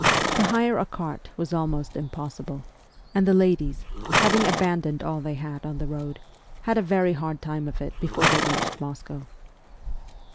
To hire a cart was almost impossible, and the ladies, having abandoned all they had on the road, had a very hard time of it before they reached Moscow.